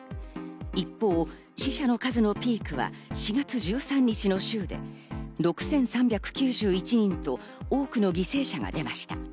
一方、死者の数のピークは４月１３日の週で６３９１人と多くの犠牲者が出ました。